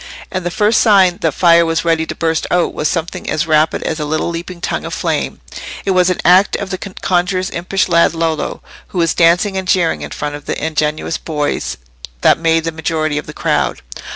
And the first sign that fire was ready to burst out was something as rapid as a little leaping tongue of flame: it was an act of the conjuror's impish lad Lollo, who was dancing and jeering in front of the ingenuous boys that made the majority of the crowd.